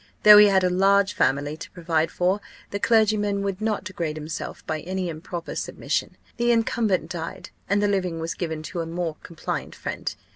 Though he had a large family to provide for, the clergyman would not degrade himself by any improper submission. The incumbent died, and the living was given to a more compliant friend.